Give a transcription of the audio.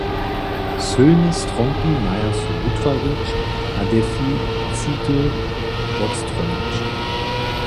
Sylne stronki maja so wutwarić a deficity wotstronić.